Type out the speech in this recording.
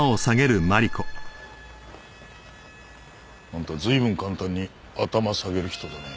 あんた随分簡単に頭下げる人だね。